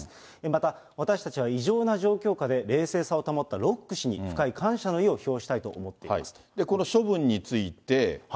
また私たちは異常な状況下で冷静さを保ったロック氏に深い感謝のこの処分について？